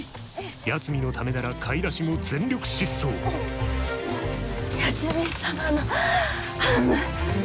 八海のためなら買い出しも全力疾走八海サマのハム。